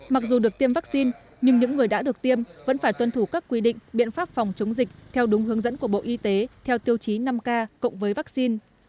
mặc dù được tiêm vaccine nhưng những người đã được tiêm vẫn phải tuân thủ các quy định biện pháp phòng chống dịch theo đúng hướng dẫn của bộ y tế theo tiêu chí năm k cộng với vaccine